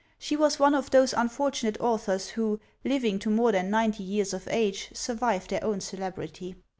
She was one of those unfortunate authors who, living to more than ninety years of age, survive their own celebrity.